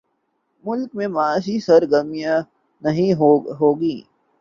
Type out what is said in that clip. ملک میں معاشی سرگرمی نہیں ہو گی۔